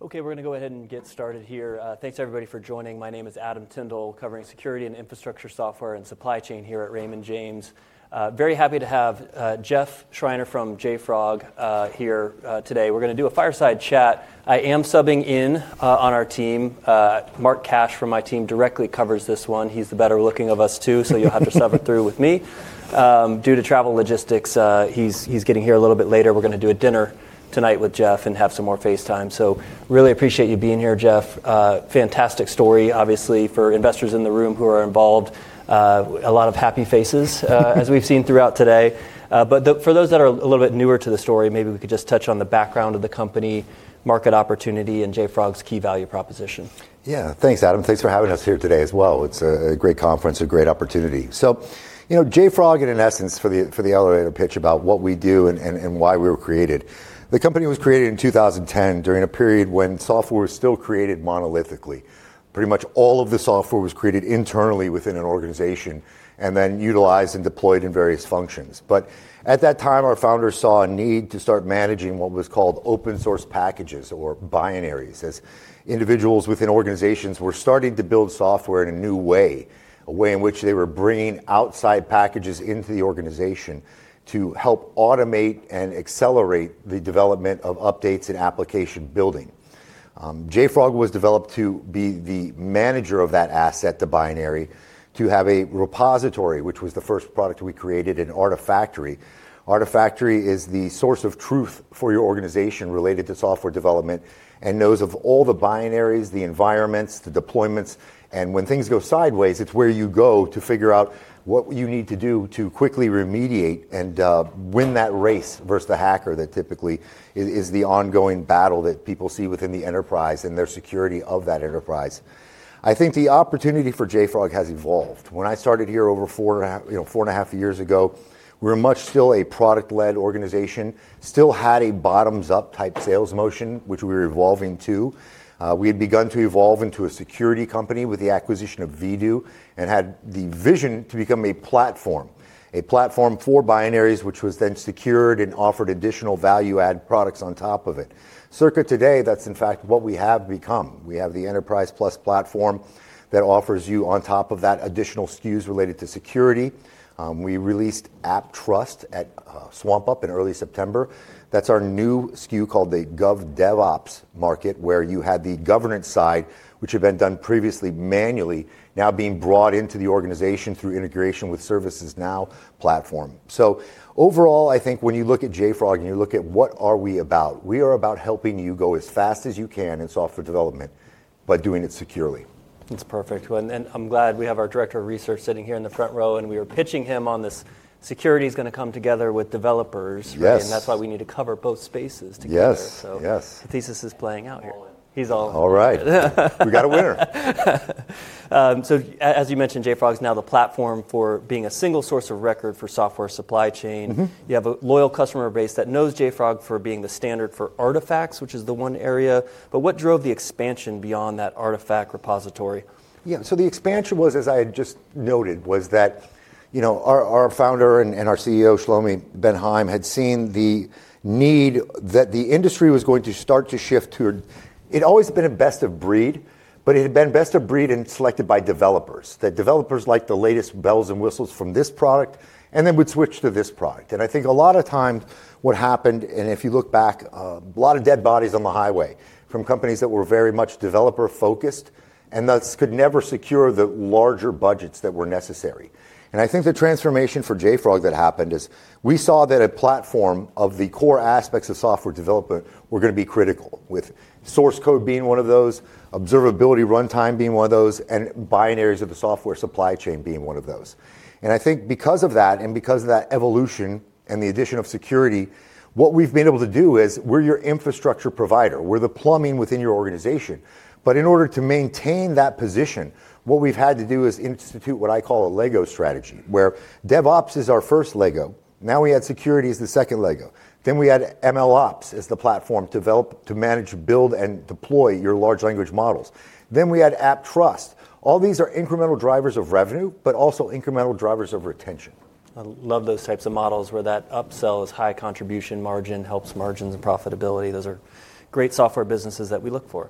Okay, we're going to go ahead and get started here. Thanks, everybody, for joining. My name is Adam Tyndall, covering security and infrastructure software and supply chain here at Raymond James. Very happy to have Jeff Schreiner from JFrog here today. We're going to do a fireside chat. I am subbing in on our team. Mark Cash from my team directly covers this one. He's the better looking of us two, so you'll have to put up with me. Due to travel logistics, he's getting here a little bit later. We're going to do a dinner tonight with Jeff and have some more face time. So really appreciate you being here, Jeff. Fantastic story, obviously, for investors in the room who are involved. A lot of happy faces, as we've seen throughout today. But for those that are a little bit newer to the story, maybe we could just touch on the background of the company, market opportunity, and JFrog's key value proposition. Yeah, thanks, Adam. Thanks for having us here today as well. It's a great conference, a great opportunity. So JFrog, in essence, for the elevator pitch about what we do and why we were created. The company was created in 2010 during a period when software was still created monolithically. Pretty much all of the software was created internally within an organization and then utilized and deployed in various functions. But at that time, our founders saw a need to start managing what was called open source packages or binaries, as individuals within organizations were starting to build software in a new way, a way in which they were bringing outside packages into the organization to help automate and accelerate the development of updates and application building. JFrog was developed to be the manager of that asset, the binary, to have a repository, which was the first product we created, an Artifactory. Artifactory is the source of truth for your organization related to software development and knows of all the binaries, the environments, the deployments, and when things go sideways, it's where you go to figure out what you need to do to quickly remediate and win that race versus the hacker that typically is the ongoing battle that people see within the enterprise and their security of that enterprise. I think the opportunity for JFrog has evolved. When I started here over four and a half years ago, we were much still a product-led organization, still had a bottoms-up type sales motion, which we were evolving to. We had begun to evolve into a security company with the acquisition of Vdoo and had the vision to become a platform, a platform for binaries, which was then secured and offered additional value-add products on top of it. Circa today, that's in fact what we have become. We have the Enterprise Plus platform that offers you, on top of that, additional SKUs related to security. We released AppTrust at SwampUp in early September. That's our new SKU called the GovDevOps market, where you had the governance side, which had been done previously manually, now being brought into the organization through integration with ServiceNow platform. So overall, I think when you look at JFrog and you look at what are we about, we are about helping you go as fast as you can in software development, but doing it securely. That's perfect. And I'm glad we have our director of research sitting here in the front row, and we were pitching him on this security is going to come together with developers. Yes. And that's why we need to cover both spaces together. Yes. So the thesis is playing out here. He's all. All right. We got a winner. So as you mentioned, JFrog is now the platform for being a single source of record for software supply chain. You have a loyal customer base that knows JFrog for being the standard for artifacts, which is the one area. But what drove the expansion beyond that artifact repository? Yeah, so the expansion was, as I had just noted, was that our founder and our CEO, Shlomi Ben Haim, had seen the need that the industry was going to start to shift to. It had always been a best of breed, but it had been best of breed and selected by developers, that developers liked the latest bells and whistles from this product and then would switch to this product. And I think a lot of times what happened, and if you look back, a lot of dead bodies on the highway from companies that were very much developer-focused and thus could never secure the larger budgets that were necessary. And I think the transformation for JFrog that happened is we saw that a platform of the core aspects of software development were going to be critical, with source code being one of those, observability runtime being one of those, and binaries of the software supply chain being one of those. And I think because of that and because of that evolution and the addition of security, what we've been able to do is we're your infrastructure provider. We're the plumbing within your organization. But in order to maintain that position, what we've had to do is institute what I call a Lego strategy, where DevOps is our first Lego. Now we had security as the second Lego. Then we had MLOps as the platform to develop, to manage, build, and deploy your large language models. Then we had AppTrust. All these are incremental drivers of revenue, but also incremental drivers of retention. I love those types of models where that upsell is high contribution margin, helps margins and profitability. Those are great software businesses that we look for.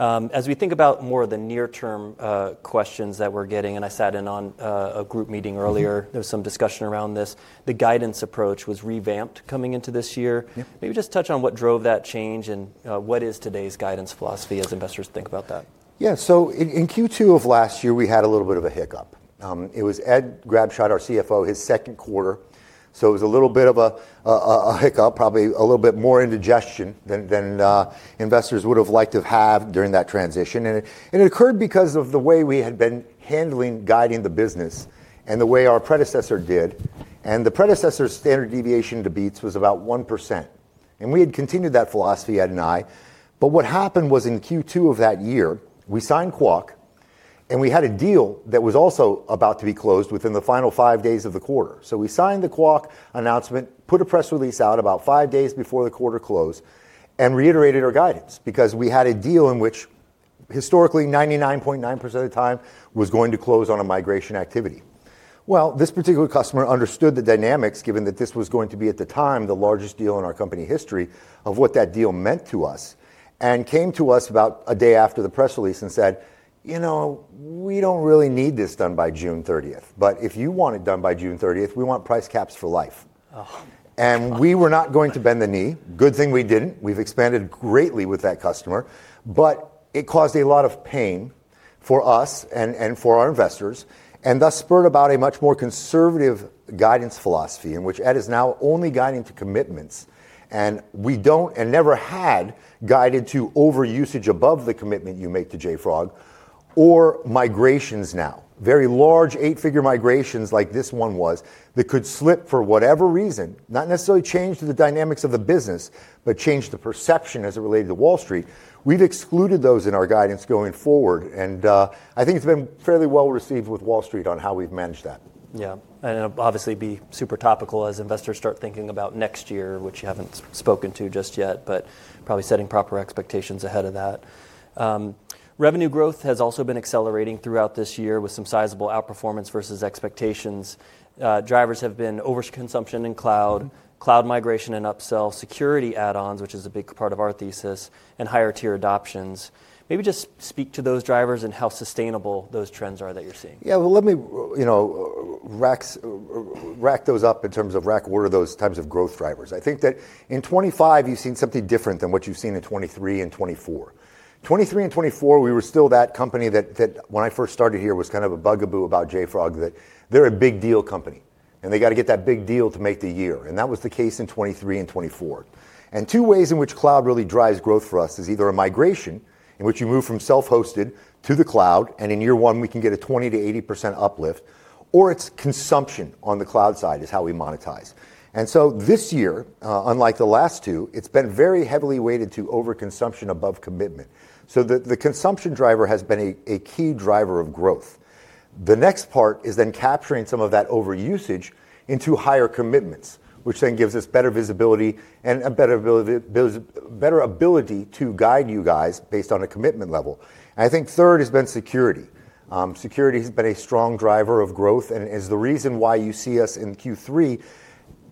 As we think about more of the near-term questions that we're getting, and I sat in on a group meeting earlier, there was some discussion around this. The guidance approach was revamped coming into this year. Maybe just touch on what drove that change and what is today's guidance philosophy as investors think about that? Yeah, so in Q2 of last year, we had a little bit of a hiccup. It was Ed Grabscheid, our CFO, his second quarter. So it was a little bit of a hiccup, probably a little bit more indigestion than investors would have liked to have during that transition, and it occurred because of the way we had been handling guiding the business and the way our predecessor did, and the predecessor's standard deviation to beats was about 1%, and we had continued that philosophy at NI, but what happened was in Q2 of that year, we signed Qwak, and we had a deal that was also about to be closed within the final five days of the quarter. So we signed the Qwak announcement, put a press release out about five days before the quarter close, and reiterated our guidance because we had a deal in which historically 99.9% of the time was going to close on a migration activity. Well, this particular customer understood the dynamics, given that this was going to be, at the time, the largest deal in our company history of what that deal meant to us, and came to us about a day after the press release and said, you know, we don't really need this done by June 30th. But if you want it done by June 30th, we want price caps for life. And we were not going to bend the knee. Good thing we didn't. We've expanded greatly with that customer. But it caused a lot of pain for us and for our investors and thus spurred about a much more conservative guidance philosophy in which Ed is now only guiding to commitments. And we don't and never had guided to overusage above the commitment you make to JFrog or migrations now, very large eight-figure migrations like this one was that could slip for whatever reason, not necessarily change the dynamics of the business, but change the perception as it related to Wall Street. We've excluded those in our guidance going forward. And I think it's been fairly well received with Wall Street on how we've managed that. Yeah, and obviously be super topical as investors start thinking about next year, which you haven't spoken to just yet, but probably setting proper expectations ahead of that. Revenue growth has also been accelerating throughout this year with some sizable outperformance versus expectations. Drivers have been over consumption in cloud, cloud migration and upsell, security add-ons, which is a big part of our thesis, and higher-tier adoptions. Maybe just speak to those drivers and how sustainable those trends are that you're seeing. Yeah, well, let me rank those up in terms of rank order those types of growth drivers. I think that in 2025, you've seen something different than what you've seen in 2023 and 2024. 2023 and 2024, we were still that company that when I first started here was kind of a bugaboo about JFrog, that they're a big deal company and they got to get that big deal to make the year. And that was the case in 2023 and 2024. And two ways in which cloud really drives growth for us is either a migration in which you move from self-hosted to the cloud, and in year one, we can get a 20%-80% uplift, or it's consumption on the cloud side is how we monetize. And so this year, unlike the last two, it's been very heavily weighted to overconsumption above commitment. The consumption driver has been a key driver of growth. The next part is then capturing some of that overusage into higher commitments, which then gives us better visibility and a better ability to guide you guys based on a commitment level. I think third has been security. Security has been a strong driver of growth and is the reason why you see us in Q3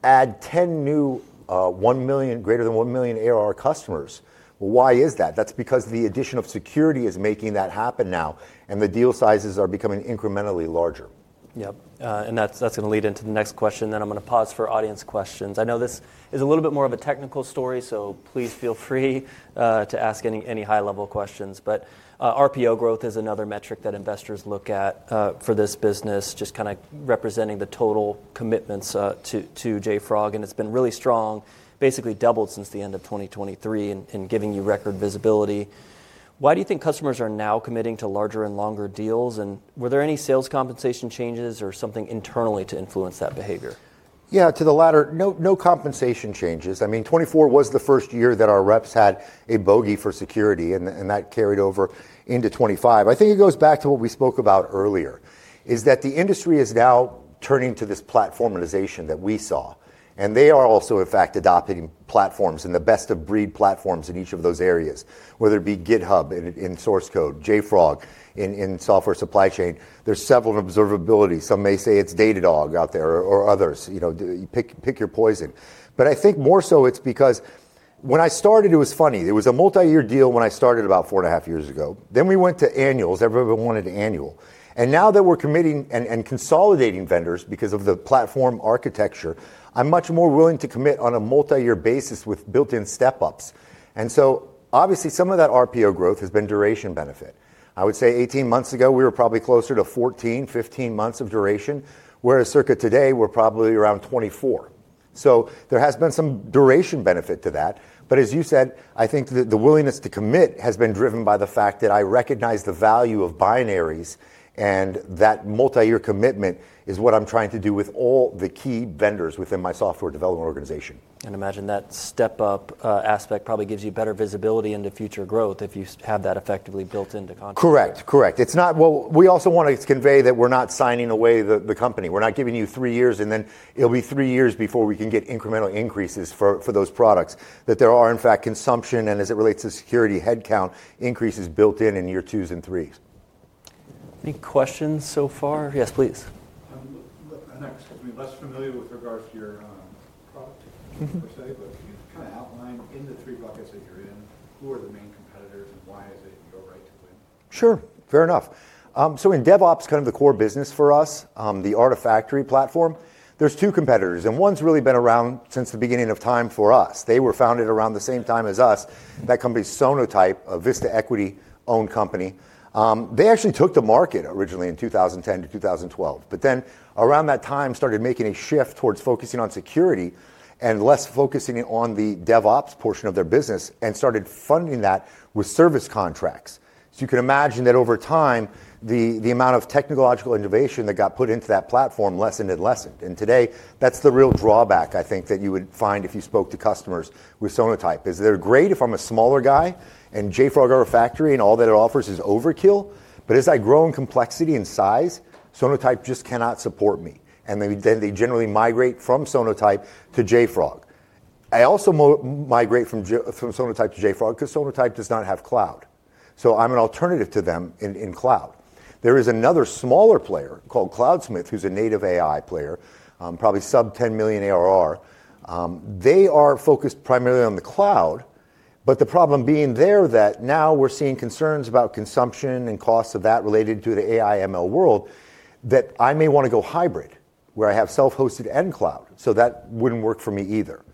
add 10 new, greater than one million ARR customers. Why is that? That's because the addition of security is making that happen now, and the deal sizes are becoming incrementally larger. Yep. And that's going to lead into the next question, then I'm going to pause for audience questions. I know this is a little bit more of a technical story, so please feel free to ask any high-level questions. But RPO growth is another metric that investors look at for this business, just kind of representing the total commitments to JFrog. And it's been really strong, basically doubled since the end of 2023, giving you record visibility. Why do you think customers are now committing to larger and longer deals? And were there any sales compensation changes or something internally to influence that behavior? Yeah, to the latter, no compensation changes. I mean, 2024 was the first year that our reps had a bogey for security, and that carried over into 2025. I think it goes back to what we spoke about earlier, is that the industry is now turning to this platformization that we saw. And they are also, in fact, adopting platforms and the best of breed platforms in each of those areas, whether it be GitHub in source code, JFrog in software supply chain. There's several observability. Some may say it's Datadog out there or others. Pick your poison. But I think more so it's because when I started, it was funny. There was a multi-year deal when I started about four and a half years ago. Then we went to annuals. Everybody wanted annual. Now that we're committing and consolidating vendors because of the platform architecture, I'm much more willing to commit on a multi-year basis with built-in step-ups. Obviously some of that RPO growth has been duration benefit. I would say 18 months ago, we were probably closer to 14, 15 months of duration, whereas circa today, we're probably around 24. There has been some duration benefit to that. But as you said, I think that the willingness to commit has been driven by the fact that I recognize the value of binaries and that multi-year commitment is what I'm trying to do with all the key vendors within my software development organization. I imagine that step-up aspect probably gives you better visibility into future growth if you have that effectively built into contract. Correct, correct. It's not, well, we also want to convey that we're not signing away the company. We're not giving you three years, and then it'll be three years before we can get incremental increases for those products, that there are in fact consumption and as it relates to security headcount increases built in in year twos and threes. Any questions so far? Yes, please. I'm less familiar with regards to your product per se, but can you kind of outline in the three buckets that you're in, who are the main competitors and why is it your right to win? Sure, fair enough. In DevOps, kind of the core business for us, the Artifactory platform, there are two competitors, and one's really been around since the beginning of time for us. They were founded around the same time as us. That company's Sonatype, a Vista Equity-owned company. They actually took the market originally in 2010-2012, but then around that time started making a shift towards focusing on security and less focusing on the DevOps portion of their business and started funding that with service contracts. You can imagine that over time, the amount of technological innovation that got put into that platform lessened and lessened. Today, that's the real drawback I think that you would find if you spoke to customers with Sonatype, is they're great if I'm a smaller guy and JFrog Artifactory and all that it offers is overkill. But as I grow in complexity and size, Sonatype just cannot support me. And then they generally migrate from Sonatype to JFrog. I also migrate from Sonatype to JFrog because Sonatype does not have cloud. So I'm an alternative to them in cloud. There is another smaller player called Cloudsmith, who's a native AI player, probably sub 10 million ARR. They are focused primarily on the cloud, but the problem being there that now we're seeing concerns about consumption and costs of that related to the AI/ML world that I may want to go hybrid, where I have self-hosted and cloud. So that wouldn't work for me either.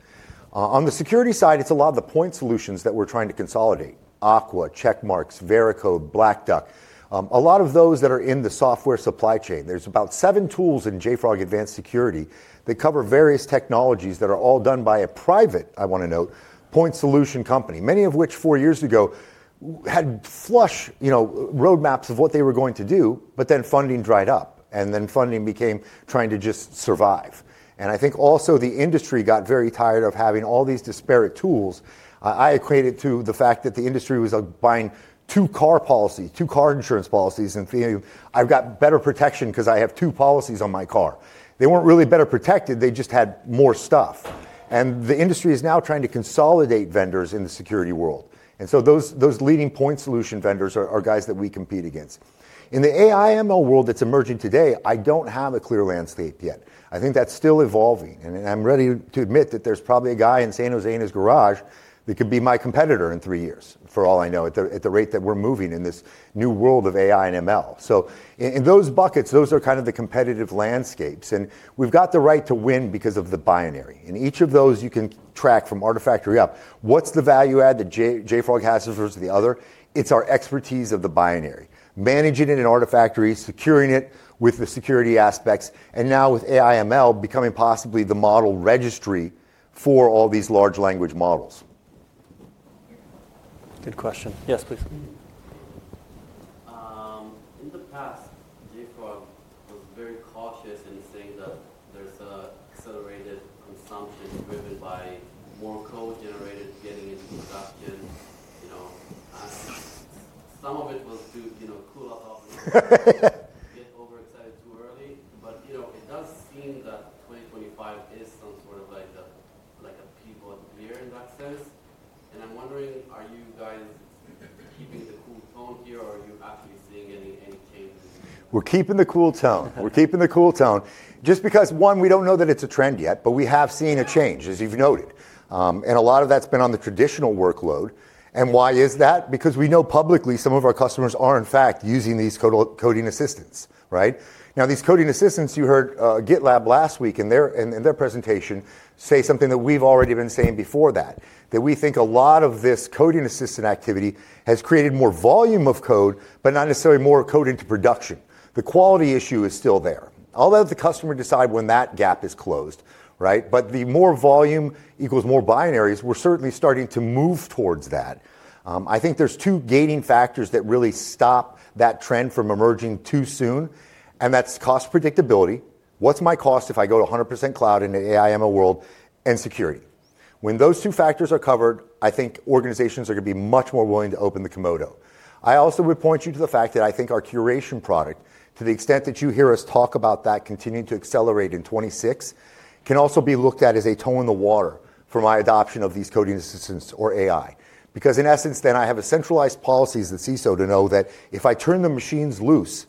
On the security side, it's a lot of the point solutions that we're trying to consolidate: Aqua, Checkmarx, Veracode, Black Duck. A lot of those that are in the software supply chain. There's about seven tools in JFrog Advanced Security that cover various technologies that are all done by a private, I want to note, point solution company, many of which four years ago had flush roadmaps of what they were going to do, but then funding dried up and then funding became trying to just survive. And I think also the industry got very tired of having all these disparate tools. I equate it to the fact that the industry was buying two car policies, two car insurance policies, and I've got better protection because I have two policies on my car. They weren't really better protected. They just had more stuff. And the industry is now trying to consolidate vendors in the security world. And so those leading point solution vendors are guys that we compete against. In the AI/ML world that's emerging today, I don't have a clear landscape yet. I think that's still evolving. And I'm ready to admit that there's probably a guy in San Jose in his garage that could be my competitor in three years for all I know at the rate that we're moving in this new world of AI and ML. So in those buckets, those are kind of the competitive landscapes. And we've got the right to win because of the binary. And each of those you can track from Artifactory up. What's the value add that JFrog has versus the other? It's our expertise of the binary, managing it in Artifactory, securing it with the security aspects, and now with AI/ML becoming possibly the model registry for all these large language models. Good question. Yes, please. In the past, JFrog was very cautious in saying that there's an accelerated consumption driven by more code generated get overexcited too early, but it does seem that 2025 is some sort of like a pivot year in that sense, and I'm wondering, are you guys keeping the cool tone here or are you actually seeing any changes? We're keeping the cool tone. We're keeping the cool tone just because, one, we don't know that it's a trend yet, but we have seen a change, as you've noted, and a lot of that's been on the traditional workload, and why is that? Because we know publicly some of our customers are in fact using these coding assistants, right? Now, these coding assistants, you heard GitLab last week in their presentation say something that we've already been saying before that, that we think a lot of this coding assistant activity has created more volume of code, but not necessarily more code into production. The quality issue is still there. I'll let the customer decide when that gap is closed, right? But the more volume equals more binaries, we're certainly starting to move towards that. I think there's two gating factors that really stop that trend from emerging too soon, and that's cost predictability. What's my cost if I go to 100% cloud in the AI/ML world and security? When those two factors are covered, I think organizations are going to be much more willing to open the kimono. I also would point you to the fact that I think our Curation product, to the extent that you hear us talk about that continuing to accelerate in 2026, can also be looked at as a toe in the water for AI adoption of these coding assistants or AI, because in essence, then I have centralized policies that the CISO can know that if I turn the machines loose,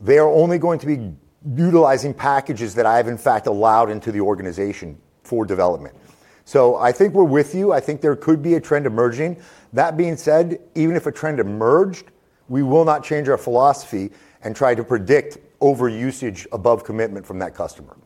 they are only going to be utilizing packages that I have in fact allowed into the organization for development. So I think we're with you. I think there could be a trend emerging. That being said, even if a trend emerged, we will not change our philosophy and try to predict overusage above commitment from that customer.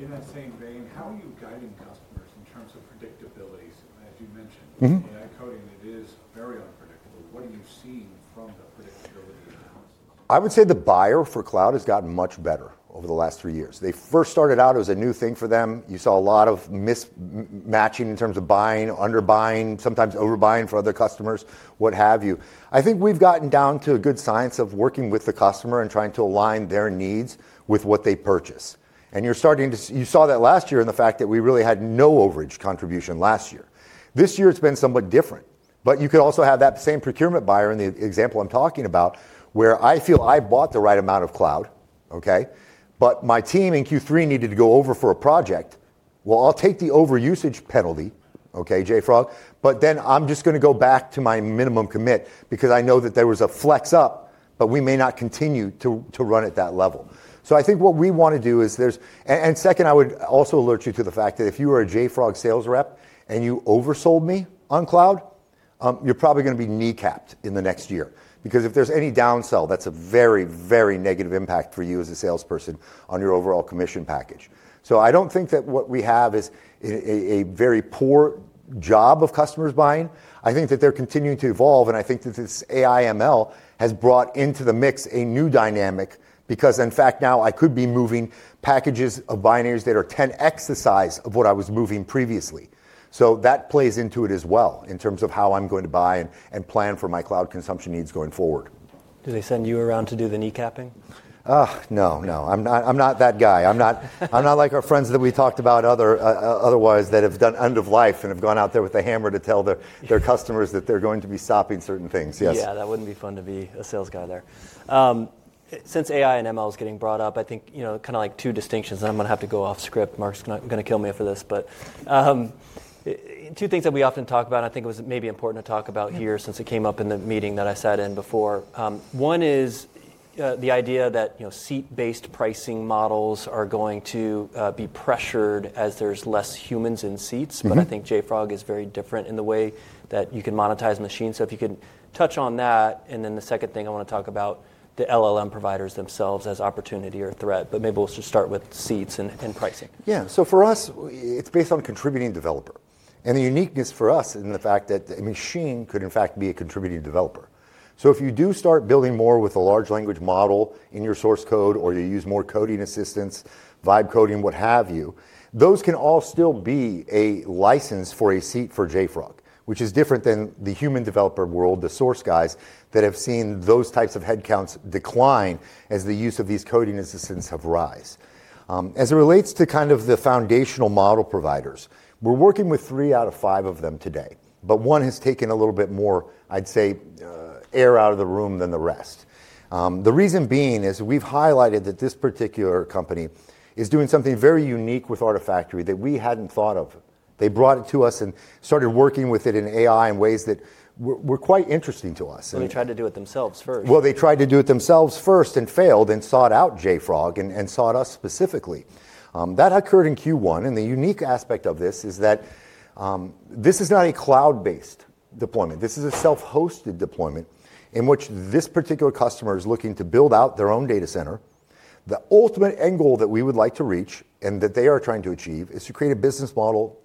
In that same vein, how are you guiding customers in terms of predictability? As you mentioned, AI coding, it is very unpredictable. What are you seeing from the predictability analysis? I would say the buyer for cloud has gotten much better over the last three years. They first started out as a new thing for them. You saw a lot of mismatching in terms of buying, underbuying, sometimes overbuying for other customers, what have you. I think we've gotten down to a good science of working with the customer and trying to align their needs with what they purchase, and you're starting to you saw that last year in the fact that we really had no overage contribution last year. This year it's been somewhat different, but you could also have that same procurement buyer in the example I'm talking about, where I feel I bought the right amount of cloud, okay, but my team in Q3 needed to go over for a project. I'll take the overusage penalty, okay, JFrog, but then I'm just going to go back to my minimum commit because I know that there was a flex up, but we may not continue to run at that level. So I think what we want to do is, and second, I would also alert you to the fact that if you are a JFrog sales rep and you oversold me on cloud, you're probably going to be kneecapped in the next year because if there's any downsell, that's a very, very negative impact for you as a salesperson on your overall commission package. So I don't think that what we have is a very poor job of customers buying. I think that they're continuing to evolve, and I think that this AI/ML has brought into the mix a new dynamic because in fact now I could be moving packages of binaries that are 10x the size of what I was moving previously. So that plays into it as well in terms of how I'm going to buy and plan for my cloud consumption needs going forward. Do they send you around to do the kneecapping? No, no. I'm not that guy. I'm not like our friends that we talked about otherwise that have done end of life and have gone out there with a hammer to tell their customers that they're going to be stopping certain things. Yes. Yeah, that wouldn't be fun to be a sales guy there. Since AI and ML is getting brought up, I think kind of like two distinctions, and I'm going to have to go off script. Mark's going to kill me for this, but two things that we often talk about, and I think it was maybe important to talk about here since it came up in the meeting that I sat in before. One is the idea that seat-based pricing models are going to be pressured as there's less humans in seats, but I think JFrog is very different in the way that you can monetize machines. So if you could touch on that. And then the second thing I want to talk about, the LLM providers themselves as opportunity or threat, but maybe we'll just start with seats and pricing. Yeah, so for us, it's based on contributing developer. And the uniqueness for us in the fact that a machine could in fact be a contributing developer. So if you do start building more with a large language model in your source code or you use more coding assistants, vibe coding, what have you, those can all still be a license for a seat for JFrog, which is different than the human developer world, the source guys that have seen those types of headcounts decline as the use of these coding assistants have rise. As it relates to kind of the foundational model providers, we're working with three out of five of them today, but one has taken a little bit more, I'd say, air out of the room than the rest. The reason being is we've highlighted that this particular company is doing something very unique with Artifactory that we hadn't thought of. They brought it to us and started working with it in AI in ways that were quite interesting to us. They tried to do it themselves first. They tried to do it themselves first and failed and sought out JFrog and sought us specifically. That occurred in Q1. The unique aspect of this is that this is not a cloud-based deployment. This is a self-hosted deployment in which this particular customer is looking to build out their own data center. The ultimate end goal that we would like to reach and that they are trying to achieve is to create a business model,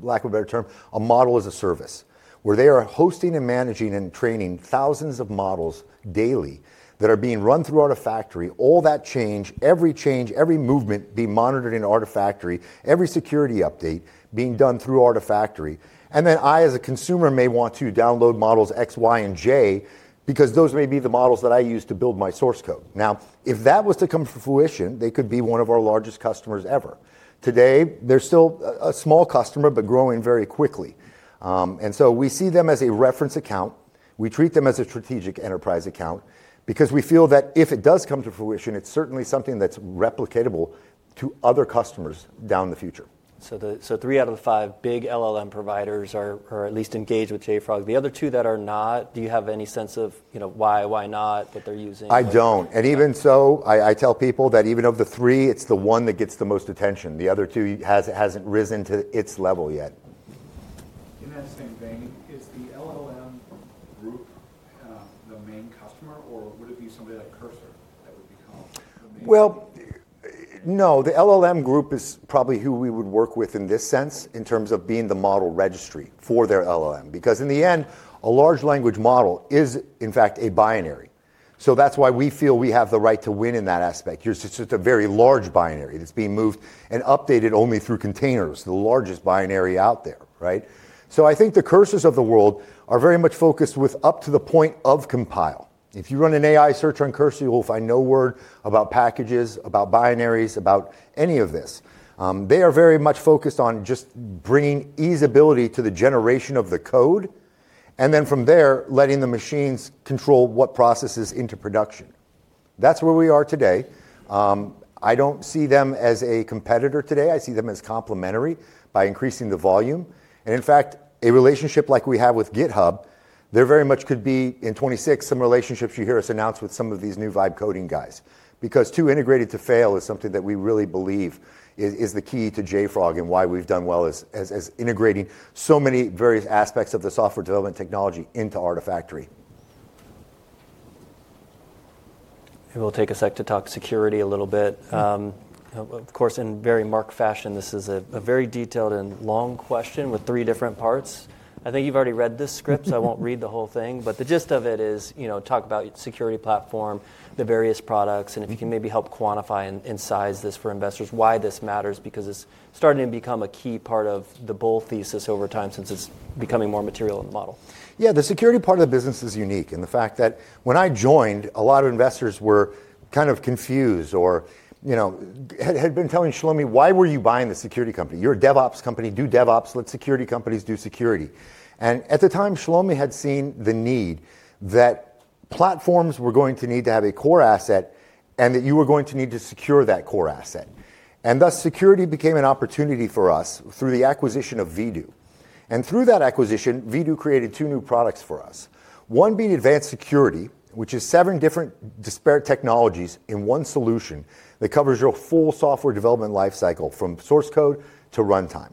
lack of a better term, a model as a service where they are hosting and managing and training thousands of models daily that are being run through Artifactory. All that change, every change, every movement being monitored in Artifactory, every security update being done through Artifactory. Then I, as a consumer, may want to download models X, Y, and J because those may be the models that I use to build my source code. Now, if that was to come to fruition, they could be one of our largest customers ever. Today, they're still a small customer, but growing very quickly. So we see them as a reference account. We treat them as a strategic enterprise account because we feel that if it does come to fruition, it's certainly something that's replicatable to other customers down the future. So three out of the five big LLM providers are at least engaged with JFrog. The other two that are not, do you have any sense of why, why not that they're using? I don't. And even so, I tell people that even of the three, it's the one that gets the most attention. The other two hasn't risen to its level yet. In that same vein, is the LLM group the main customer, or would it be somebody like Cursor? No, the LLM group is probably who we would work with in this sense in terms of being the model registry for their LLM because in the end, a large language model is in fact a binary. So that's why we feel we have the right to win in that aspect. It's just a very large binary that's being moved and updated only through containers, the largest binary out there, right? So I think the Cursors of the world are very much focused with up to the point of compile. If you run an AI search on Cursor, you will find no word about packages, about binaries, about any of this. They are very much focused on just bringing ease-ability to the generation of the code, and then from there, letting the machines control what processes into production. That's where we are today. I don't see them as a competitor today. I see them as complementary by increasing the volume, and in fact a relationship like we have with GitHub. There very much could be in 2026 some relationships you hear us announce with some of these new vibe coding guys because too integrated to fail is something that we really believe is the key to JFrog and why we've done well as integrating so many various aspects of the software development technology into Artifactory. We'll take a sec to talk security a little bit. Of course, in very Mark fashion, this is a very detailed and long question with three different parts. I think you've already read this script, so I won't read the whole thing, but the gist of it is talk about security platform, the various products, and if you can maybe help quantify and size this for investors, why this matters because it's starting to become a key part of the bull thesis over time since it's becoming more material in the model. Yeah, the security part of the business is unique in the fact that when I joined, a lot of investors were kind of confused or had been telling Shlomi, "Why were you buying the security company? Your DevOps company do DevOps, let security companies do security." And at the time, Shlomi had seen the need that platforms were going to need to have a core asset and that you were going to need to secure that core asset. And thus, security became an opportunity for us through the acquisition of Vdoo. And through that acquisition, Vdoo created two new products for us. One being Advanced Security, which is seven different disparate technologies in one solution that covers your full software development lifecycle from source code to runtime.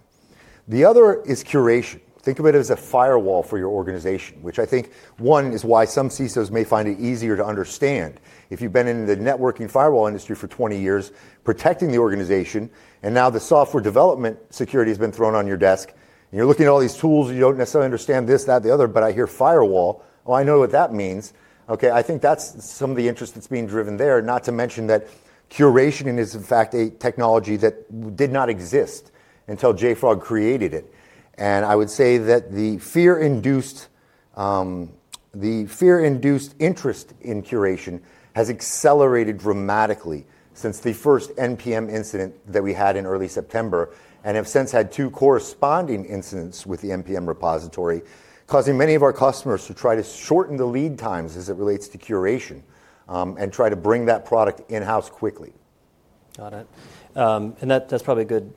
The other is Curation. Think of it as a firewall for your organization, which I think one is why some CISOs may find it easier to understand. If you've been in the networking firewall industry for 20 years, protecting the organization, and now the software development security has been thrown on your desk, and you're looking at all these tools and you don't necessarily understand this, that, the other, but I hear firewall, oh, I know what that means. Okay, I think that's some of the interest that's being driven there. Not to mention that Curation is in fact a technology that did not exist until JFrog created it. I would say that the fear-induced interest in Curation has accelerated dramatically since the first npm incident that we had in early September and have since had two corresponding incidents with the npm repository, causing many of our customers to try to shorten the lead times as it relates to Curation and try to bring that product in-house quickly. Got it. And that's probably a good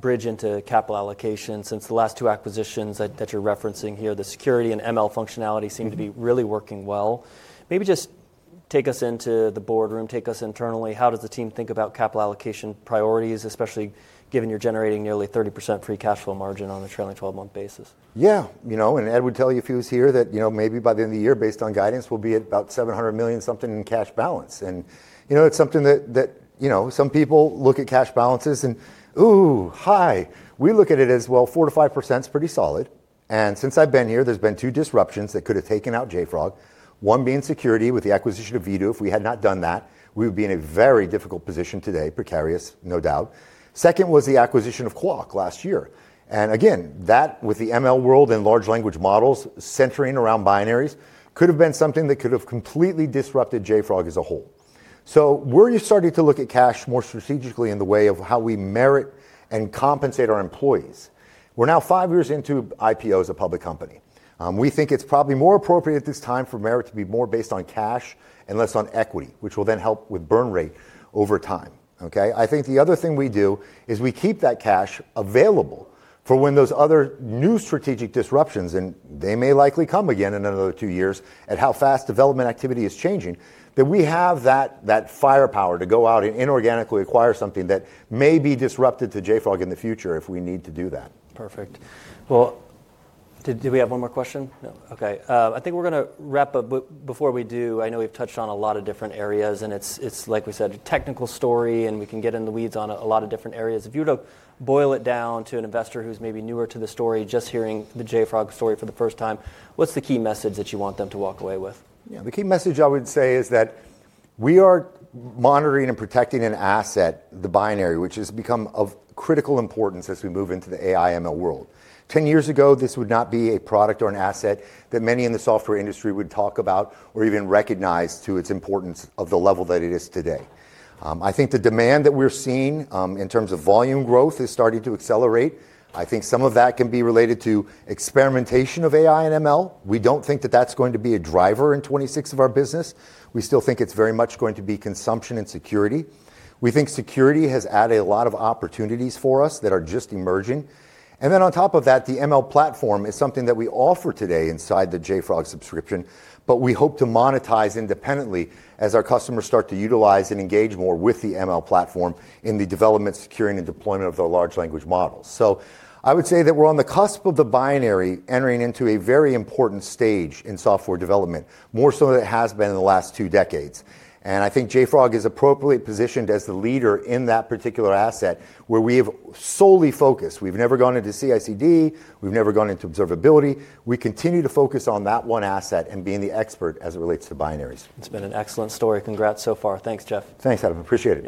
bridge into capital allocation. Since the last two acquisitions that you're referencing here, the security and ML functionality seem to be really working well. Maybe just take us into the boardroom, take us internally. How does the team think about capital allocation priorities, especially given you're generating nearly 30% free cash flow margin on a trailing 12-month basis? Yeah, you know, and Ed would tell you if he was here that maybe by the end of the year, based on guidance, we'll be at about $700 million in cash balance. And it's something that some people look at cash balances and, ooh, high. We look at it as, well, 4% - 5% is pretty solid. And since I've been here, there's been two disruptions that could have taken out JFrog. One being security with the acquisition of Vdoo. If we had not done that, we would be in a very difficult position today, precarious, no doubt. Second was the acquisition of Qwak last year. And again, that with the ML world and large language models centering around binaries could have been something that could have completely disrupted JFrog as a whole. So we're starting to look at cash more strategically in the way of how we merit and compensate our employees. We're now five years into IPO as a public company. We think it's probably more appropriate at this time for merit to be more based on cash and less on equity, which will then help with burn rate over time. Okay, I think the other thing we do is we keep that cash available for when those other new strategic disruptions, and they may likely come again in another two years at how fast development activity is changing, that we have that firepower to go out and inorganically acquire something that may be disruptive to JFrog in the future if we need to do that. Perfect. Well, do we have one more question? Okay. I think we're going to wrap up, but before we do, I know we've touched on a lot of different areas, and it's, like we said, technical story, and we can get in the weeds on a lot of different areas. If you were to boil it down to an investor who's maybe newer to the story, just hearing the JFrog story for the first time, what's the key message that you want them to walk away with? Yeah, the key message I would say is that we are monitoring and protecting an asset, the binary, which has become of critical importance as we move into the AI/ML world. Ten years ago, this would not be a product or an asset that many in the software industry would talk about or even recognize to its importance of the level that it is today. I think the demand that we're seeing in terms of volume growth is starting to accelerate. I think some of that can be related to experimentation of AI and ML. We don't think that that's going to be a driver in 2026 of our business. We still think it's very much going to be consumption and security. We think security has added a lot of opportunities for us that are just emerging. And then on top of that, the ML platform is something that we offer today inside the JFrog subscription, but we hope to monetize independently as our customers start to utilize and engage more with the ML platform in the development, securing, and deployment of the large language models. So I would say that we're on the cusp of the binary entering into a very important stage in software development, more so than it has been in the last two decades. And I think JFrog is appropriately positioned as the leader in that particular asset where we have solely focused. We've never gone into CI/CD. We've never gone into observability. We continue to focus on that one asset and being the expert as it relates to binaries. It's been an excellent story. Congrats so far. Thanks, Jeff. Thanks, Adam. Appreciate it.